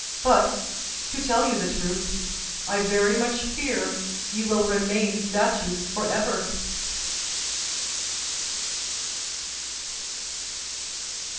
But, to tell you the truth, I very much fear you will remain statues forever."